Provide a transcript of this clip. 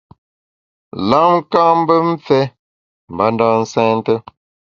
Lam ka’ mbe mfé mbanda nsènte.